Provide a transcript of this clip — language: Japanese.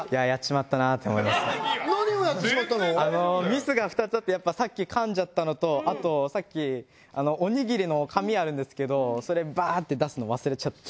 ミスが２つあってやっぱさっきかんじゃったのとあとさっきおにぎりの紙あるんですけどそれバーって出すの忘れちゃって。